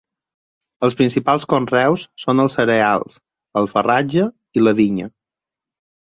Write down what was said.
Els principals conreus són els cereals, el farratge i la vinya.